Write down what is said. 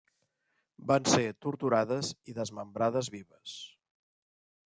Van ser torturades i desmembrades vives.